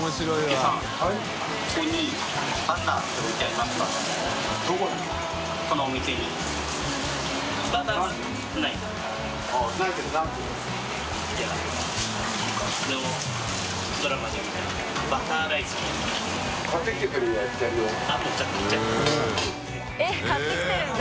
西野）えっ買ってきてるんだ。